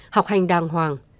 học hành đàng hoàng